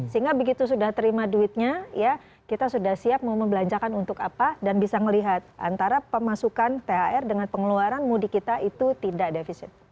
sehingga begitu sudah terima duitnya ya kita sudah siap mau membelanjakan untuk apa dan bisa melihat antara pemasukan thr dengan pengeluaran mudik kita itu tidak defisit